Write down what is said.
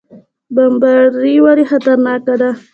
بمبړې ولې خطرناکه ده؟